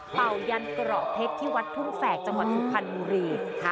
เป่ายันเกราะเพชรที่วัดทุ่งแฝกจังหวัดสุพรรณบุรี